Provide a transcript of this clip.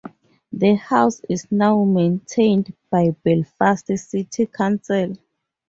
The house is now maintained by Belfast City Council.